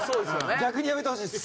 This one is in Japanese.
逆にやめてほしいです。